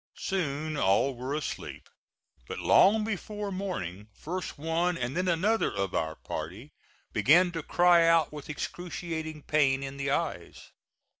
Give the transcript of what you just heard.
Soon all were asleep; but long before morning first one and then another of our party began to cry out with excruciating pain in the eyes.